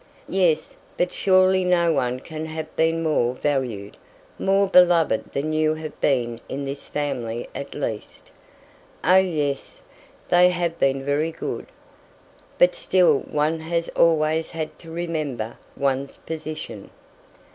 "Yes; but surely no one can have been more valued, more beloved than you have been in this family at least." "Oh, yes! they have been very good. But still one has always had to remember one's position."